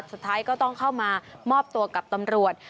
สุดท้ายก็ต้องเข้ามามอบตัวกับตำรวจ